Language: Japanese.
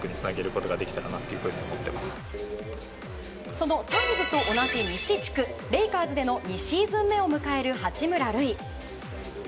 そのサンズと同じ西地区レイカーズでの２シーズン目を迎える八村塁。